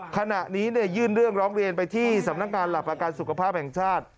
ขณะนี้ยื่นเรื่องร้องเรียนไปที่สำนักงานหลักประกันสุขภาพแห่งชาติ